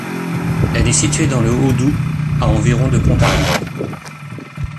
Elle est située dans le Haut-Doubs, à environ de Pontarlier.